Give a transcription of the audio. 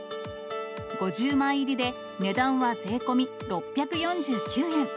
５０枚入りで値段は税込み６４９円。